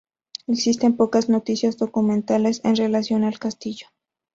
Existen pocas noticias documentales en relación al castillo.